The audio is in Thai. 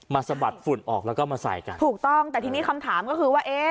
สะบัดฝุ่นออกแล้วก็มาใส่กันถูกต้องแต่ทีนี้คำถามก็คือว่าเอ๊ะ